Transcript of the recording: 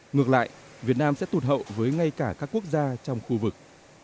ngược lại việt nam sẽ tụt hậu với ngay cả các quốc gia trong khu vực